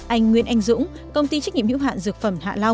anh nguyễn anh dũng công ty trách nhiệm hữu hạn dược phẩm